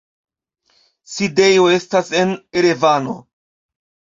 Sidejo estas en Erevano.